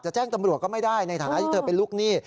แจ้งตำรวจก็ไม่ได้ในฐานะที่เธอเป็นลูกหนี้